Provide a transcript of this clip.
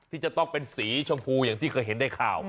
ที่จะต้องเป็นสีชมพูอย่างที่เคยเห็นในข่าว